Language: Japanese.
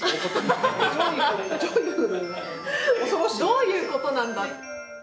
どういうことなんだ。